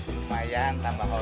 lumayan tambah hot